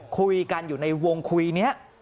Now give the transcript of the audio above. คุยกันอยู่ในวงคุยนี้